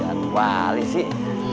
jalan wali sih